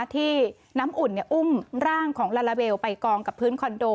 ที่น้ำอุ่นอุ้มร่างของลาลาเบลไปกองกับพื้นคอนโด